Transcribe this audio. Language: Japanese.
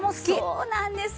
そうなんですよ！